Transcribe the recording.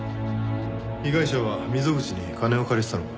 被害者は溝口に金を借りてたのか？